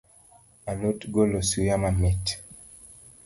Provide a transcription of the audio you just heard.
A lot golo suya mamit